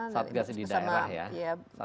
satgas di daerah ya